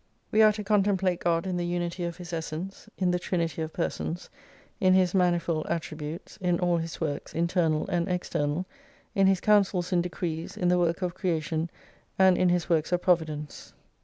We are to contemplate God in the unity of His essence, in the trinity of persons, in His manifold attributes, in all His works, internal and external, in His counsels and decrees, in the work of creation, and in His works of providence.